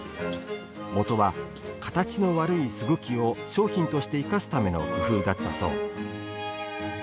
もとは形の悪いすぐきを商品として生かすための工夫だったそう。